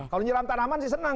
kalau nyiram tanaman sih senang